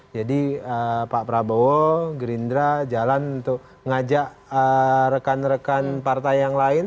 pak prabowo gerindra jalan untuk mengajak rekan rekan partai yang lain